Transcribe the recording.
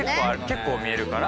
結構見えるから。